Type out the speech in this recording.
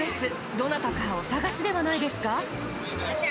どなたかお捜しではないですか？